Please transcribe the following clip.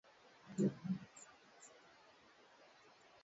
watu wengi wangependa kufahamu namna ya kuzuia virusi